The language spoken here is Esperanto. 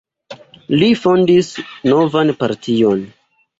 Li fondis novan partion.